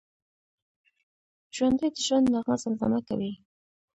ژوندي د ژوند نغمه زمزمه کوي